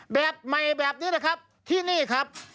แบบใหม่แบบนี้นะครับที่นี่ครับ